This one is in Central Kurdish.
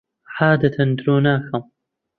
عادەتەن درۆ ناکەم.